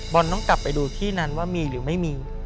ต้องกลับไปดูที่นั้นว่ามีหรือไม่มี